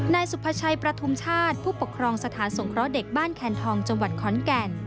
นายสุภาชัยประทุมชาติผู้ปกครองสถานสงเคราะห์เด็กบ้านแคนทองจังหวัดขอนแก่น